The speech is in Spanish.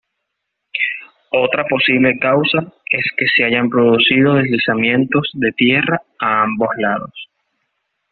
Otra posible causa, es que se hayan producido deslizamientos de tierra a ambos lados.